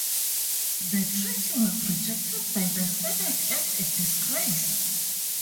The treaty was rejected by the senate as a disgrace.